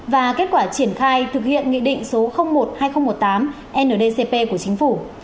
và kết quả triển khai thực hiện nghị định số một hai nghìn một mươi tám ndcp của chính phủ